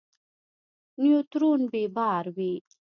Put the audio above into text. نیوترون بې بار وي.